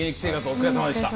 お疲れさまでした。